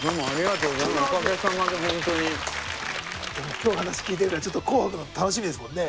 今日話聞いてるからちょっと「紅白」も楽しみですもんね。